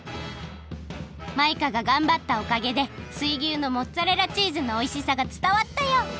マイカががんばったおかげで水牛のモッツァレラチーズのおいしさがつたわったよ！